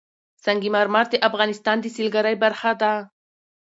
سنگ مرمر د افغانستان د سیلګرۍ برخه ده.